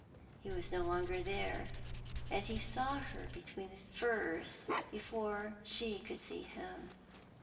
He was no longer there, and he saw her between the firs before she could see him.